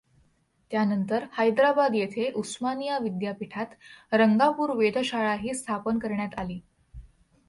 त्यानंतर, हैदराबाद येथे उस्मानिया विद्यापीठात रंगापूर वेधशाळाही स्थापन करण्यात आली.